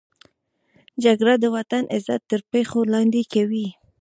جګړه د وطن عزت تر پښو لاندې کوي